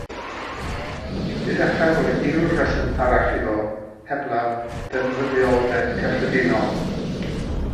Ni allaf roi unrhyw reswm arall iddo heblaw defnyddioldeb cyffredinol.